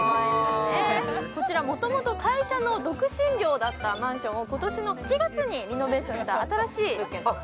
こちらもともと会社の独身寮だった建物を今年の７月にリノベーションした新しい物件です。